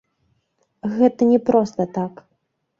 Гэта не проста так.